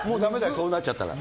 そうなっちゃったら。